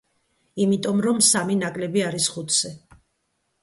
იმიტომ, რომ სამი ნაკლები არის ხუთზე.